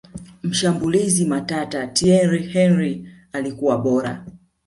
mshambulizi matata thiery henry alikuwa bora